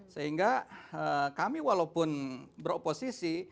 sehingga kami walaupun beroposisi